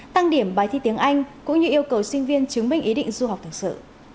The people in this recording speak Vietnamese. tăng điểm bài thi tiếng anh cũng như yêu cầu sinh viên chứng minh ý định du học thực sự